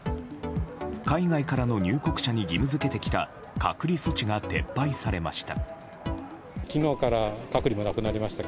海外からの入国者に義務付けてきた隔離措置が撤廃されました。